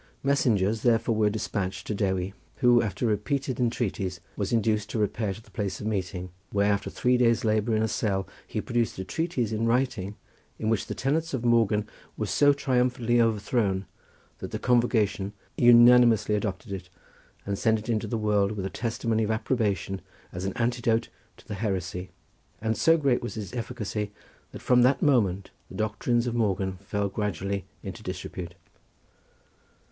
Messengers therefore were despatched to Dewi, who after repeated entreaties was induced to repair to the place of meeting, where after three days' labour in a cell he produced a treatise in writing in which the tenets of Morgan were so triumphantly overthrown that the convocation unanimously adopted it and sent it into the world with a testimony of approbation as an antidote to the heresy, and so great was its efficacy that from that moment the doctrines of Morgan fell gradually into disrepute.